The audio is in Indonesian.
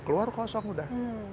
keluar kosong sudah